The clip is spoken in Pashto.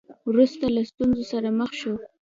وروسته له ستونزو سره مخ شو.